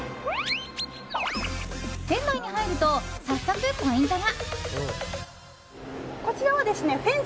店内に入ると、早速ポイントが。